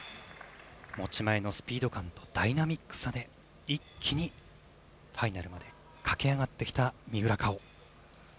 持ち前のスピード感とダイナミックさで一気にファイナルまで駆け上がってきた三浦佳生。